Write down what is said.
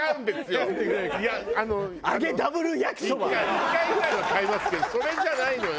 １回ぐらいは買いますけどそれじゃないのよ！